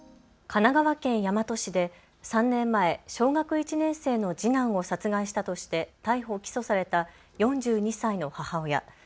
神奈川県大和市で３年前小学１年生の次男を殺害したとして逮捕・起訴された４２歳の母親。